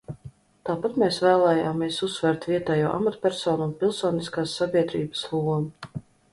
Tāpat mēs vēlējāmies uzsvērt vietējo amatpersonu un pilsoniskās sabiedrības lomu.